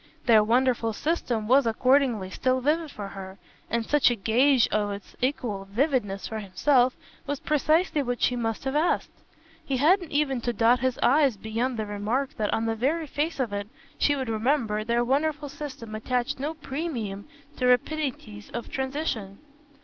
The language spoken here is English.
Their wonderful system was accordingly still vivid for her; and such a gage of its equal vividness for himself was precisely what she must have asked. He hadn't even to dot his i's beyond the remark that on the very face of it, she would remember, their wonderful system attached no premium to rapidities of transition.